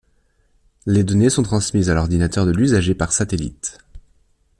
Les données sont transmises à l’ordinateur de l’usager par satellite.